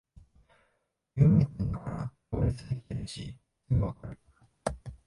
有名店だから行列できてるしすぐわかる